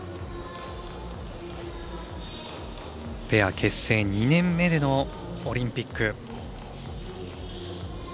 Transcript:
ペア結成２年目でのオリンピック。